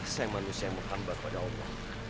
saya manusia yang menghambat kepada allah